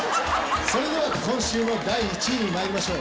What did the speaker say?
それでは今週の第１位にまいりましょう。